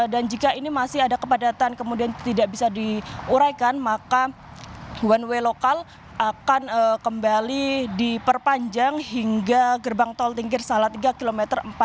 dan jika ini masih ada kepadatan kemudian tidak bisa diuraikan maka one way lokal akan kembali diperpanjang hingga gerbang tol tinggir salatiga km empat ratus lima puluh sembilan